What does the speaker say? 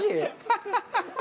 ハハハハ！